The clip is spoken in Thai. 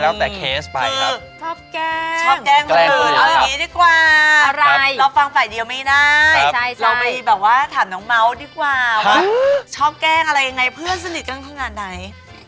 เมาส์มาเลย